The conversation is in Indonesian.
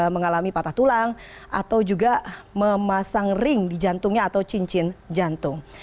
mengalami patah tulang atau juga memasang ring di jantungnya atau cincin jantung